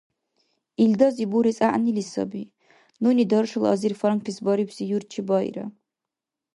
Илдази бурес гӀягӀнили саби: «Нуни даршал азир франклис барибси юрт чебаира»